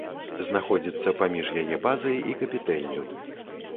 Знаходзіцца паміж яе базай і капітэллю.